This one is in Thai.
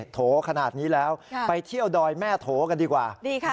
โถขนาดนี้แล้วไปเที่ยวดอยแม่โถกันดีกว่าดีค่ะ